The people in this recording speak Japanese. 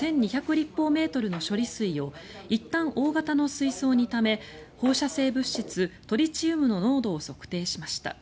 立方メートルの処理水をいったん大型の水槽にため放射性物質トリチウムの濃度を測定しました。